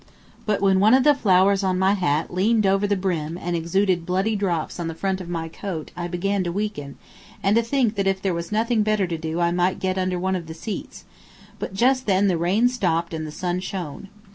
But when one of the flowers on my hat leaned over the brim and exuded bloody drops on the front of my coat I began to weaken, and to think that if there was nothing better to do I might get under one of the seats; but just then the rain stopped and the sun shone.